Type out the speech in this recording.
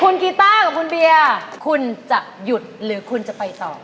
คุณกีต้ากับคุณเบียร์คุณจะหยุดหรือคุณจะไปต่อ